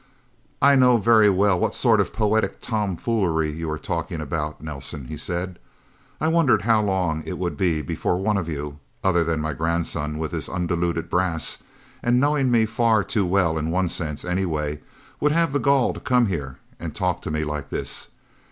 "I know very well what sort of poetic tomfoolery you are talking about, Nelsen," he said. "I wondered how long it would be before one of you other than my grandson with his undiluted brass, and knowing me far too well in one sense, anyway would have the gall to come here and talk to me like this.